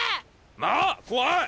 まあ怖い！